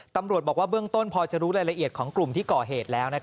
ตำรวจบอกว่าเบื้องต้นพอจะรู้รายละเอียดของกลุ่มที่ก่อเหตุแล้ว